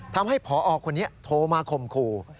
ทำให้พอคนนี้โทรมาคมครู